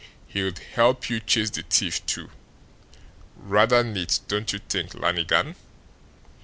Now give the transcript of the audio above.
He'd help you chase the thief, too! Rather neat, don't you think, Lannigan?